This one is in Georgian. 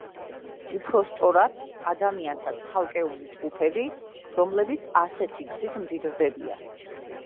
უფრო სწორად, ადამიანთა ცალკეული ჯგუფები, რომლებიც ასეთი გზით მდიდრდებიან.